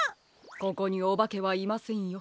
ここにおばけはいませんよ。